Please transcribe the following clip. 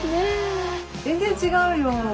全然違うよ。